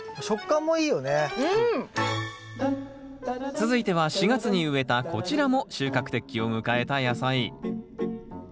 続いては４月に植えたこちらも収穫適期を迎えた野菜。